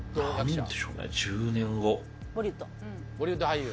ボリウッド俳優。